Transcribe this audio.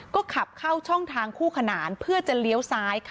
ก็ขับเข้าช่องทางคู่ขนานเพื่อจะเลี้ยวซ้ายค่ะ